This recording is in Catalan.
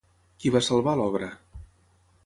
Qui va salvar l'obra?